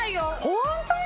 ホントに？